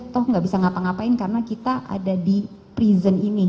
toh gak bisa ngapa ngapain karena kita ada di freason ini